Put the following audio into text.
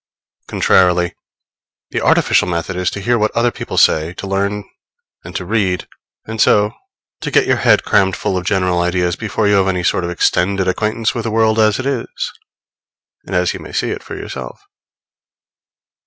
Contrarily, the artificial method is to hear what other people say, to learn and to read, and so to get your head crammed full of general ideas before you have any sort of extended acquaintance with the world as it is, and as you may see it for yourself.